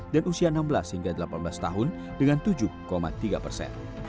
dan usia enam belas hingga delapan belas tahun dengan tujuh tiga persen